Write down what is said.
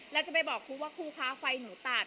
แล้วจะไปบอกครูว่าครูคะไฟหนูตัด